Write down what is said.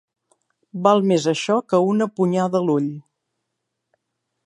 Val més això que una punyada a l'ull.